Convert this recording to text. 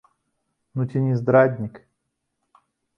Ну ці не здраднікі?!